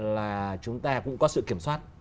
là chúng ta cũng có sự kiểm soát